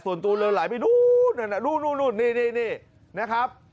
ส่วนตัวเรือไหลไปนู้นนู้นนู้นนู้นนี่นะครับ